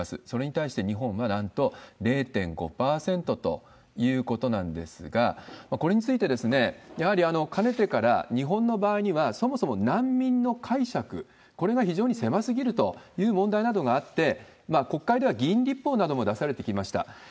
それに対して日本は、なんと０．５％ということなんですが、これについて、やはりかねてから、日本の場合にはそもそも難民の解釈、これが非常に狭すぎるという問題などがあって、国会では議員立法なども出されてきました。